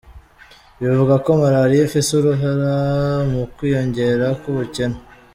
Bivuga ko Malaria ifise uruhara mu kwiyongera kw’ubukene.